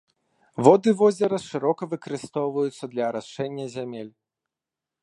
Воды возера шырока выкарыстоўваюцца для арашэння зямель.